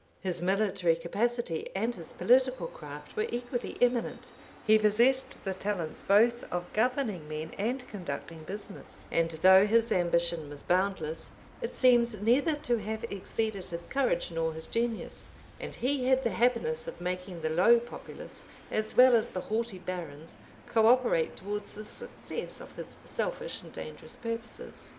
His military capacity, and his political craft, were equally eminent: he possessed the talents both of governing men and conducting business; and though his ambition was boundless, it seems neither to have exceeded his courage nor his genius; and he had the happiness of making the low populace, as well as the haughty barons, coöperate towards the success of his selfish and dangerous purposes.